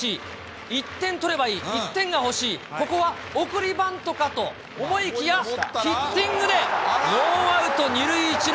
１点取ればいい、１点が欲しい、ここは送りバントかと思いきや、ヒッティングでノーアウト２塁１塁。